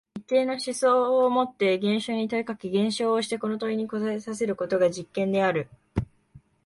一定の思想をもって現象に問いかけ、現象をしてこの問いに答えさせることが実験である。